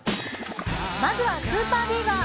まずはＳＵＰＥＲＢＥＡＶＥＲ。